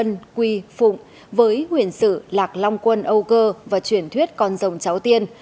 rồng là linh vật quy phụng với huyền sử lạc long quân âu cơ và truyền thuyết con rồng cháu tiên